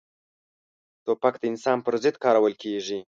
توپک د انسان پر ضد کارول کېږي.